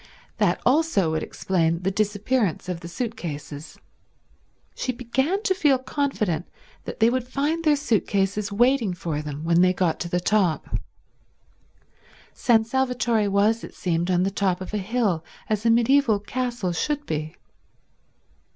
That also would explain the disappearance of the suit cases. She began to feel confident that they would find their suit cases waiting for them when they got up to the top. San Salvatore was, it seemed, on the top of a hill, as a mediaeval castle should be.